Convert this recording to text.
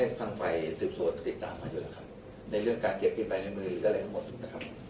ตอนนี้ให้ฟังไฟซื้อส่วนติดตามมาอยู่แล้วครับในเรื่องการเก็บปิดใบในมือหรืออะไรทั้งหมดนะครับ